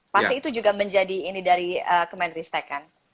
pasti itu juga menjadi ini dari kemen riset kan